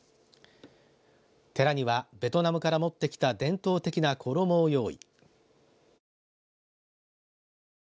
寺にはベトナムから持ってきた伝統的な衣を用意。